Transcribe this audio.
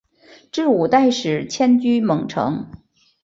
至五代时迁居蒙城。